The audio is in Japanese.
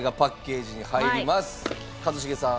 一茂さん。